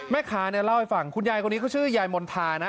แม่ค้าเนี่ยเล่าให้ฟังคุณยายคนนี้เขาชื่อยายมณฑานะ